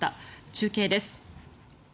中継です。